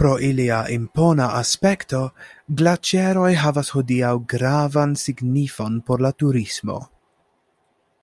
Pro ilia impona aspekto glaĉeroj havas hodiaŭ gravan signifon por la turismo.